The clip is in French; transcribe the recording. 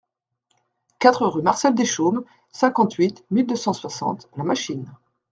quatre rue Marcel Deschaumes, cinquante-huit mille deux cent soixante La Machine